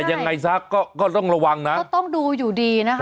ยังไงซะก็ก็ต้องระวังนะก็ต้องดูอยู่ดีนะคะ